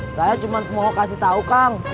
saya cuma mau kasih tahu kang